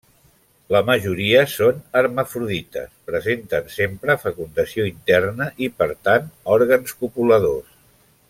La majoria són hermafrodites, presenten sempre fecundació interna i, per tant òrgans copuladors.